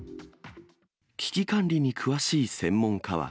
危機管理に詳しい専門家は。